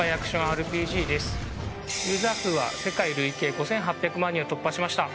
ユーザー数は世界累計５８００万人を突破しました。